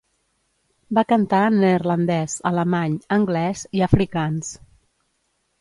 Va cantar en neerlandès, alemany, anglès i afrikaans.